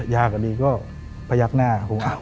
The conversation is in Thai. ยากอันนี้ก็พยักหน้า